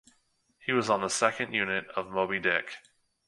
He was on the second unit of "Moby Dick".